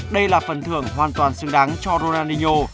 đây là phần thưởng hoàn toàn xứng đáng cho roranio